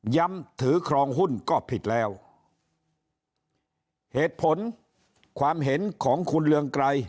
ถือครองหุ้นก็ผิดแล้วเหตุผลความเห็นของคุณเรืองไกร